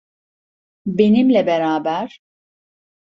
Benimle beraber.